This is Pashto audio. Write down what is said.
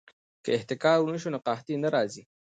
که احتکار ونه شي نو قحطي نه راځي.